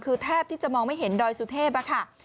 คือแทบที่จะมองไม่เห็นดอยสุเทพค่ะ